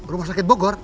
rumah sakit bogor